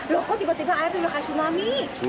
loh kok tiba tiba air tuh di lokasi suami